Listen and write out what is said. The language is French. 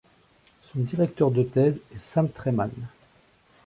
Son directeur de thèse est Sam Treiman.